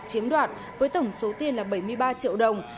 chiếm đoạt với tổng số tiền là bảy mươi ba triệu đồng